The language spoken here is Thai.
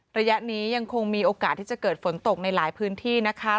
ระยะนี้ยังคงมีโอกาสที่จะเกิดฝนตกในหลายพื้นที่นะคะ